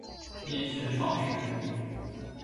黾学创始人。